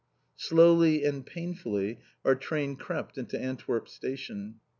Slowly and painfully our train crept into Antwerp station.